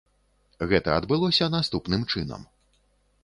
Гэта адбылося наступным чынам.